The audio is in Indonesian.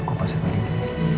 aku pasti akan ingin